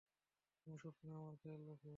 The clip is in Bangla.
তুমি সবসময় আমার খেয়াল রাখো।